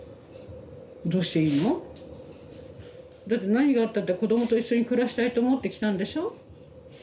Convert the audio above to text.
どうしていいの？だって何があったって子どもと一緒に暮らしたいと思って来たんでしょ？